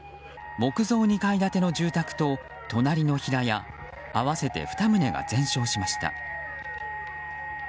木造２階建ての住宅と隣の平屋合わせて２棟が全焼しました。